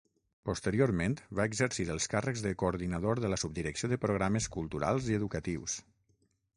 Posteriorment va exercir els càrrecs de Coordinador de la Subdirecció de programes culturals i educatius.